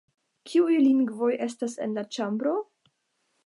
Kiuj lingvoj estas en la ĉambro?